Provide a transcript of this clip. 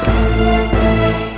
biarkan abang memeriksa